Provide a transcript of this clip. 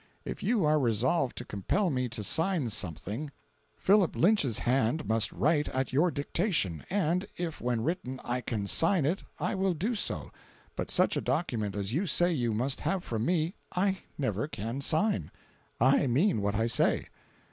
If you are resolved to compel me to sign something, Philip Lynch's hand must write at your dictation, and if, when written, I can sign it I will do so, but such a document as you say you must have from me, I never can sign. I mean what I say."